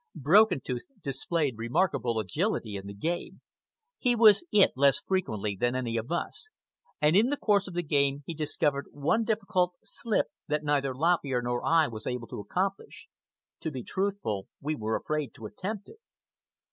Broken Tooth displayed remarkable agility in the game. He was "It" less frequently than any of us, and in the course of the game he discovered one difficult "slip" that neither Lop Ear nor I was able to accomplish. To be truthful, we were afraid to attempt it.